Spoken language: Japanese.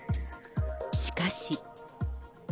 しかし。